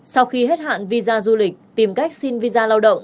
sau khi hết hạn visa du lịch tìm cách xin visa lao động